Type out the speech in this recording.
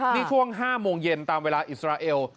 นี่ช่วง๕โมงเย็นตามเวลาอิสราเอล